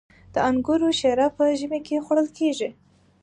د انګورو شیره په ژمي کې خوړل کیږي.